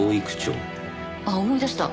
あっ思い出した。